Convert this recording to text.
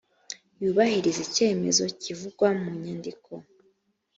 yubahirize icyemezo kivugwa munyandiko.